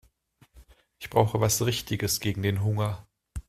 Ich brauche was Richtiges gegen den Hunger.